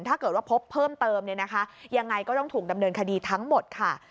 ถ้าเกิดว่าพบเพิ่มเติมเนี่ยนะคะยังไงก็ต้องถูกดำเนินคดีทั้งหมดค่ะ